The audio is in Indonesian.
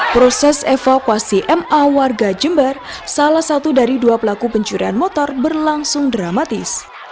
proses evakuasi ma warga jember salah satu dari dua pelaku pencurian motor berlangsung dramatis